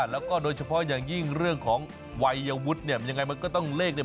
แล้วก็โดยเฉพาะอย่างยิ่งเรื่องของวัยวุฒิเนี่ยยังไงมันก็ต้องเลขเนี่ย